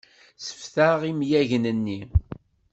Sseftaɣ imyagen-nni.